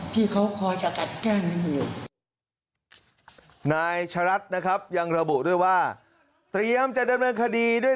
ที่เขาคอยจะจัดแก้งในมนุษย์